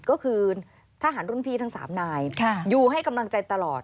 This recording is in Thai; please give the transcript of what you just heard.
ก็คือทหารรุ่นพี่ทั้ง๓นายอยู่ให้กำลังใจตลอด